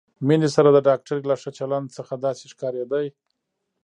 مينې سره د ډاکټرې له ښه چلند څخه داسې ښکارېده.